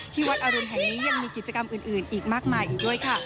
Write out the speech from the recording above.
ที่วัดอรุณแห่งนี้ยังมีกิจกรรมอื่นอีกมากมายอีกด้วยค่ะ